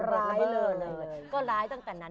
ร้ายเลยเลย